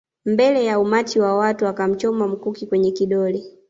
Mbele ya umati wa watu akamchoma mkuki kwenye kidole